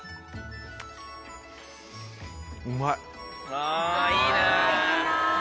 あぁいいな。